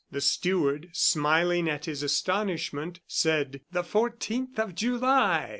The steward, smiling at his astonishment, said, "The fourteenth of July!"